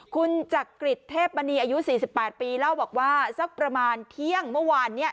คุณจักริจเทพมณีอายุ๔๘ปีเล่าบอกว่าสักประมาณเที่ยงเมื่อวานเนี่ย